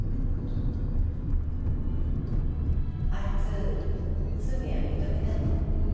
あいつ罪は認めたの？